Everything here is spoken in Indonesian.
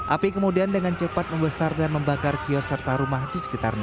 api kemudian dengan cepat membesar dan membakar kios serta rumah di sekitarnya